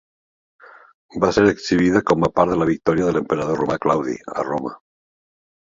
Va ser exhibida com a part de la victòria de l'emperador romà Claudi a Roma.